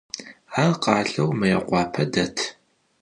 Ar khaleu Mıêkhuape det.